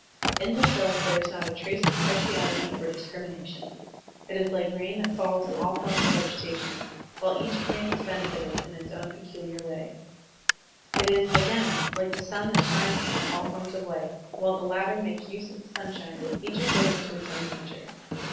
In this love there is not a trace of partiality or discrimination. It is like rain that falls on all forms erf vegetation, while each plant is benefited Digitized by Google 1 66 SERMONS OF A BUDDHIST ABBOT in its own peculiar way. It is, again, like the sun that shines upon all forms of life, while the latter make use of the sunshine each according to its own nature.